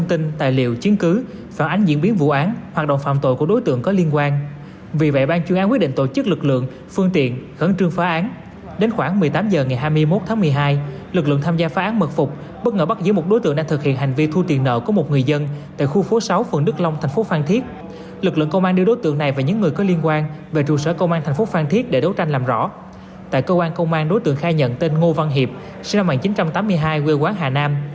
tại công an đối tượng khai nhận tên ngô văn hiệp sinh năm một nghìn chín trăm tám mươi hai quê quán hà nam